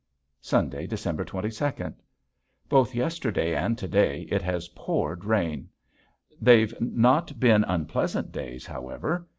Sunday, December twenty second. Both yesterday and to day it has poured rain. They've not been unpleasant days, however.